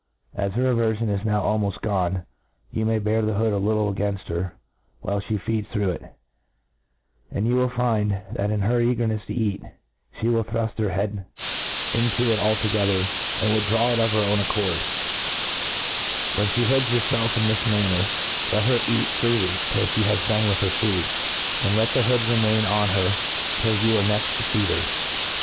As her averfion is now almqft gone, ybu may bear the hood a little againft her while flie feeds through it ; and you will find, that in her eagerncfs to eat, fhe will thruft her head in fo it . altogether^ a^d withdraw it of her own ac* cord. t4t A TREATISEOF cord. When ihe hoods herfdf in this manner^ let her eat fredy till (he has done with her food { and let the hoQd remain on her t^U you are next to feed her.